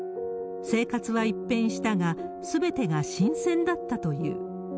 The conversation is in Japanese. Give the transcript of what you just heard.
生活は一変したが、すべてが新鮮だったという。